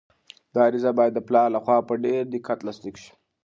دا عریضه باید د پلار لخوا په ډېر دقت لاسلیک شي.